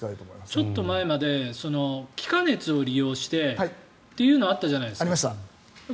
ちょっと前まで気化熱を利用してというのがあったじゃないですか。